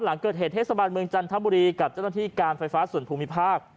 หลังเกิดเหตุเทศบาลเมืองจันทบุรีกับเจ้าหน้าที่การไฟฟ้าส่วนภูมิภาค